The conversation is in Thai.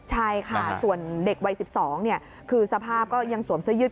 ใช่ค่ะส่วนเด็กวัย๑๒คือสภาพก็ยังสวมเสื้อยืด